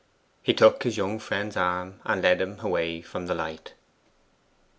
He took his young friend's arm, and led him away from the light.